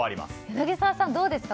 柳澤さん、どうですか。